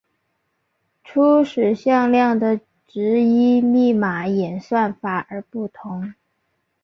初始向量的值依密码演算法而不同。